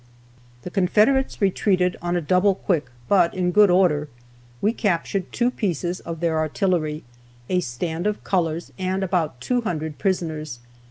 The Confederates retreated on a double quick, but in good order. We captured two pieces of their artillery, a stand of colors, and about two hundred prisoners.